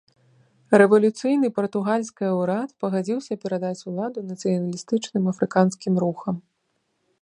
Рэвалюцыйны партугальскае ўрад пагадзіўся перадаць уладу нацыяналістычным афрыканскім рухам.